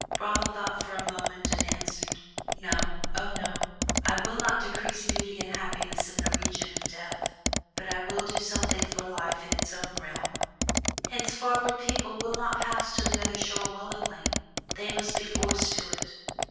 Brahma thought for a moment and answered: "No! Oh no! I will not decrease beauty and happiness in the region of Death, but I will do something for Life in its own realm. Henceforward people will not pass to the other shore willingly, they must be forced to it."